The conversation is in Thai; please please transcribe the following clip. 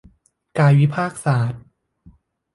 กายวิภาคศาสตร์